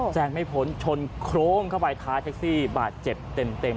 แซงไม่พ้นชนโครมาสดใคร่เทคซี่บาดเจ็บเต็ม